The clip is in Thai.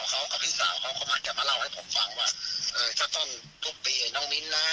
เขาเข้ามาแก่มาเล่าให้ผมฟังว่าเอ่อสักตอนทุกปีไอ้น้องมิ้นนะฮะ